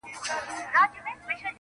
له خوښیو ټول کشمیر را سره خاندي,